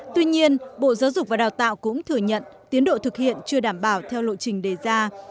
tuy nhiên bộ giáo dục và đào tạo cũng thừa nhận tiến độ thực hiện chưa đảm bảo theo lộ trình đề ra